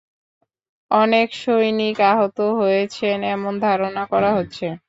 অনেক সৈনিক আহত হয়েছেন এমন ধারণা করা হচ্ছে।